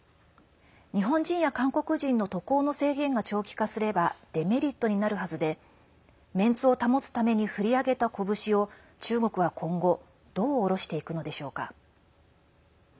日本人や韓国人の渡航の制限が長期化すればデメリットになるはずでメンツを保つために振り上げた拳を中国は今後どう下ろしていくのでしょうか。